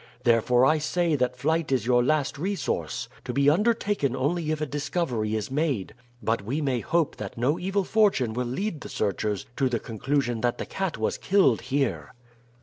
Therefore I say that flight is your last resource, to be undertaken only if a discovery is made; but we may hope that no evil fortune will lead the searchers to the conclusion that the cat was killed here.